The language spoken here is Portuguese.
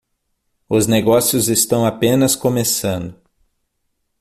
Os negócios estão apenas começando